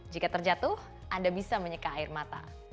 jika terjatuh anda bisa menyeka air mata